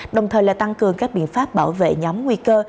đồng thời là tăng cường các biện pháp bảo vệ nhóm nguy cơ